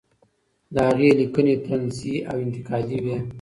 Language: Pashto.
د هغې لیکنې طنزي او انتقادي وې.